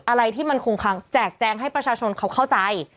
อะไรที่มันคงแจกแจงให้ประชาชนเขาเข้าใจ